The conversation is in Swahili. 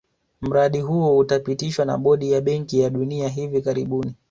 Mradi huo utapitishwa na bodi ya benki ya dunia hivi karibuni